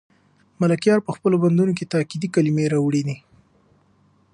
ملکیار په خپلو بندونو کې تاکېدي کلمې راوړي دي.